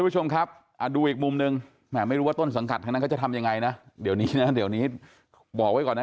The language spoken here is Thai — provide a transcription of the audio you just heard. จะหนักกว่านี้อีกนะ